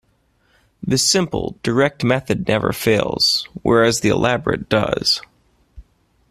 The simple, direct method never fails, whereas the elaborate does.